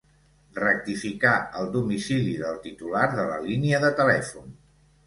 Rectificar el domicili del titular de la línia de telèfon.